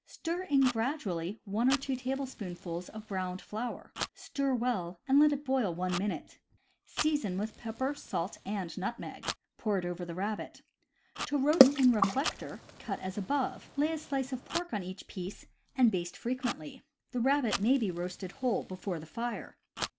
Stir in gradually one or two tablespoonfuls of browned flour; stir well, and let it boil one minute. Season with pepper, salt, and nutmeg. Pour it over the rabbit. To roast in reflector: cut as above, lay a slice of pork on each piece, and baste frequently. The rabbit may be roasted whole before the fire.